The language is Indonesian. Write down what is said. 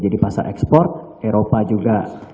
jadi pasar ekspor eropa juga